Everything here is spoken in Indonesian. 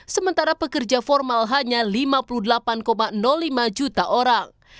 sementara pekerja formal hanya lima puluh delapan lima juta orang